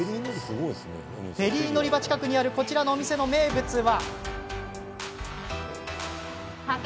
フェリー乗り場近くにあるこちらのお店の名物が。